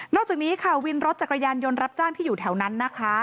จากนี้ค่ะวินรถจักรยานยนต์รับจ้างที่อยู่แถวนั้นนะคะ